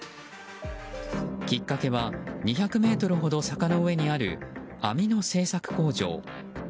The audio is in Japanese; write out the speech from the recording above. きっかけは２００ｍほど坂の上にある網の製作工場。